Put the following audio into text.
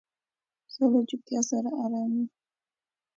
پسه له چوپتیا سره آرام وي.